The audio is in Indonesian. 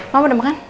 mau udah makan